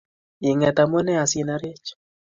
Inget amune asinerech